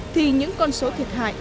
thì những con số thiệt hại